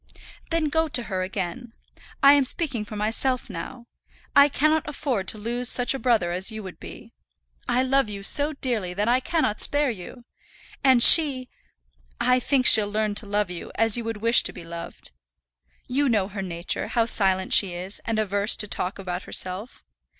"Then go to her again. I am speaking for myself now. I cannot afford to lose such a brother as you would be. I love you so dearly that I cannot spare you. And she, I think she'll learn to love you as you would wish to be loved. You know her nature, how silent she is, and averse to talk about herself.